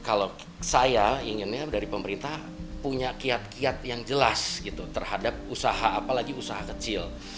kalau saya inginnya dari pemerintah punya kiat kiat yang jelas gitu terhadap usaha apalagi usaha kecil